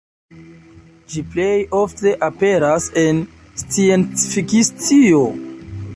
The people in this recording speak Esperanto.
Ĝi plej ofte aperas en scienc-fikcio.